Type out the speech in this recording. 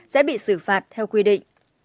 sẽ bị xử phạt theo quy định